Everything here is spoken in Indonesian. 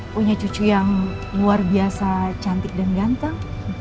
punya cucu yang luar biasa cantik dan ganteng